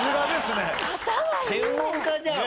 専門家じゃん